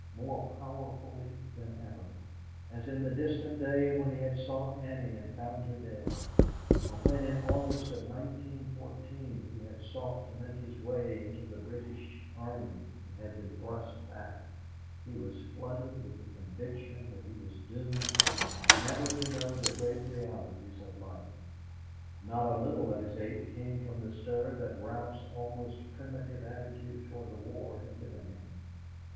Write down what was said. More powerfully than ever, as in the distant day when he had sought Annie and found her dead or when in August of 1914 he had sought to make his way into the British Army and had been thrust back, he was flooded with the conviction that he was doomed never to know the great realities of life. Not a little of his ache came from the stir that Ralph's almost primitive attitude toward the war had given him.